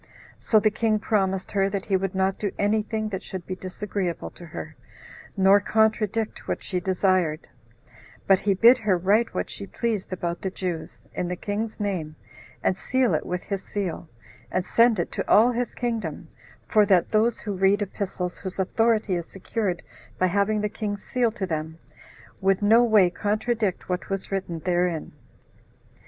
So the king promised her that he would not do any thing that should be disagreeable to her, nor contradict what she desired; but he bid her write what she pleased about the Jews, in the king's name, and seal it with his seal, and send it to all his kingdom, for that those who read epistles whose authority is secured by having the king's seal to them, would no way contradict what was written therein.